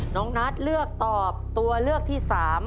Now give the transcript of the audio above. น้องนัทเลือกตอบตัวเลือกที่๓